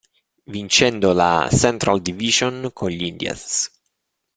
Vincendo la Central Division con gli Indians.